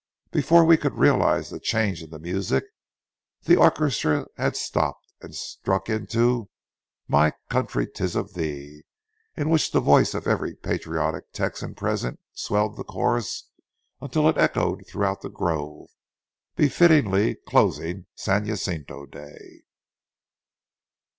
Before we could realize the change in the music, the orchestra had stopped, and struck into "My Country, 'tis of Thee," in which the voice of every patriotic Texan present swelled the chorus until it echoed throughout the grove, befittingly closing San Jacinto Day.